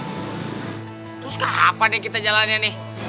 terus kapan nih kita jalannya nih